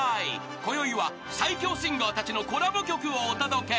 こよいは最強シンガーたちのコラボ曲をお届け］